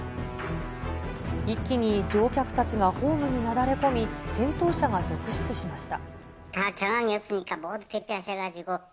一気に乗客たちがホームになだれ込み、転倒者が続出しました。